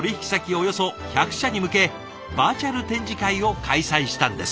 およそ１００社に向けバーチャル展示会を開催したんです。